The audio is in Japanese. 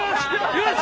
よし！